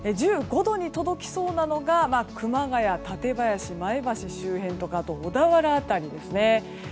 １５度に届きそうなのが熊谷、舘林、前橋周辺やあとは小田原辺りですね。